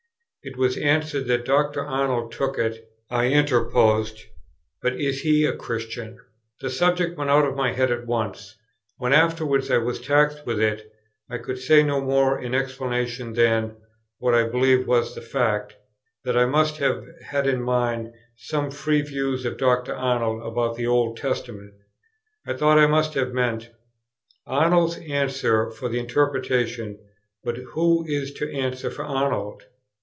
it was answered that Dr. Arnold took it; I interposed, "But is he a Christian?" The subject went out of my head at once; when afterwards I was taxed with it, I could say no more in explanation, than (what I believe was the fact) that I must have had in mind some free views of Dr. Arnold about the Old Testament: I thought I must have meant, "Arnold answers for the interpretation, but who is to answer for Arnold?"